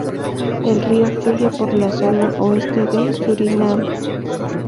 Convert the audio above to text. El río fluye por la zona oeste de Surinam.